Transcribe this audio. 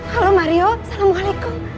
halo mario assalamualaikum